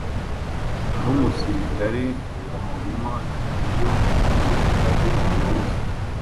numusirikare mumurima Iyo igufwa ryamenetse